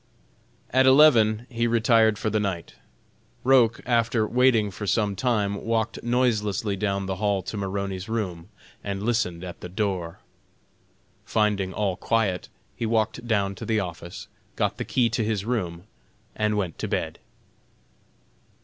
At eleven he retired for the night. Roch, after waiting for some time, walked noiselessly down the hall to Maroney's room, and listened at the door. Finding all quiet, he walked down to the office, got the key to his room, and went to bed.